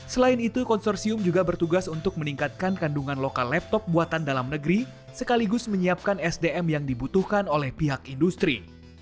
selain itu konsorsium juga bertugas untuk meningkatkan kandungan lokal laptop buatan dalam negeri sekaligus menyiapkan sdm yang dibutuhkan oleh pihak industri